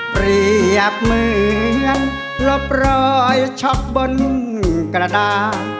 เปรียบเหมือนลบรอยช็อกบนกระดาษ